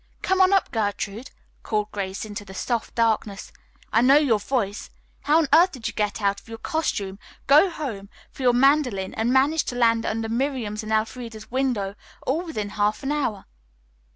"Come on up, Gertrude," called Grace into the soft darkness. "I know your voice. How on earth did you get out of your costume, go home for your mandolin and manage to land under Miriam's and Elfreda's window, all within half an hour?"